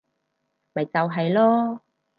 咪就係囉